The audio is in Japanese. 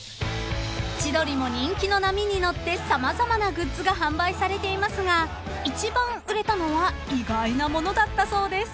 ［千鳥も人気の波に乗って様々なグッズが販売されていますが一番売れたのは意外な物だったそうです］